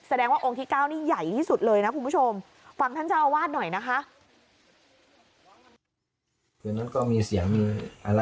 แสดงว่าองค์ที่๙นี้ใหญ่ที่สุดเลยนะ